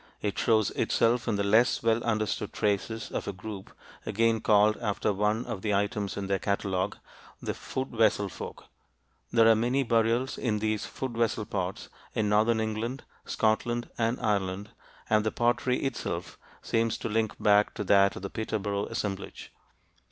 It shows itself in the less well understood traces of a group again called after one of the items in their catalogue, the Food vessel folk. There are many burials in these "food vessel" pots in northern England, Scotland, and Ireland, and the pottery itself seems to link back to that of the Peterborough assemblage.